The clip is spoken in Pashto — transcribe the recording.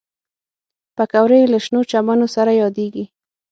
پکورې له شنو چمنو سره یادېږي